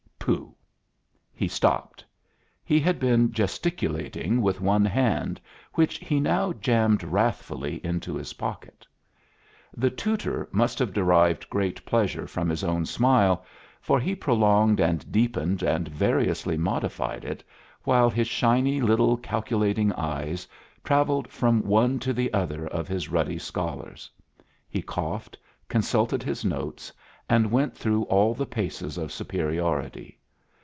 Pooh!" He stopped. He had been gesticulating with one hand, which he now jammed wrathfully into his pocket. The tutor must have derived great pleasure from his own smile, for he prolonged and deepened and variously modified it while his shiny little calculating eyes travelled from one to the other of his ruddy scholars. He coughed, consulted his notes, and went through all the paces of superiority.